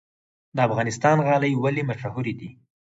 د افغانستان غالۍ ولې مشهورې دي؟